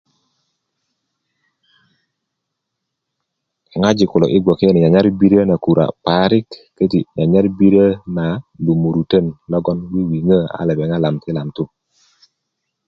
ŋojik kulo i gboke ni nyanyar birö na kurö parik köti nyanyar birö na lumurutön a logon yiyiŋo a lepeŋt lamtilamtu